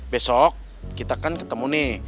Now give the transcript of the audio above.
besok kita kan ketemu nih